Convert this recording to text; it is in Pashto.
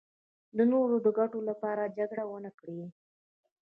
د نورو د ګټو لپاره جګړه ونکړي.